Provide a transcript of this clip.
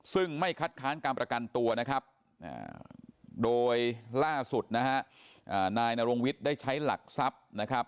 ซึ่งไม่คัดค้านการประกันตัวโดยล่าสุดนายนโรงวิทย์ได้ใช้หลักทรัพย์